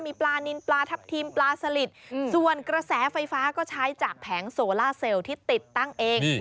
มีปลานินปลาทับทิมปลาสลิดส่วนกระแสไฟฟ้าก็ใช้จากแผงโซล่าเซลล์ที่ติดตั้งเอง